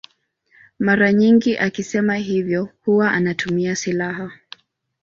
Mara nyingi akisema hivyo huwa anatumia silaha.